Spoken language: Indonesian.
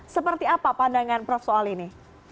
seperti apa pandangan prof soal ini